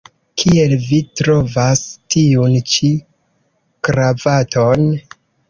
Kiel vi trovas tiun ĉi kravaton?